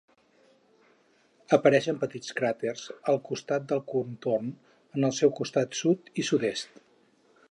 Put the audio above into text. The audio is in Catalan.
Apareixen petits cràters al costat del contorn en els seus costats sud i sud-est.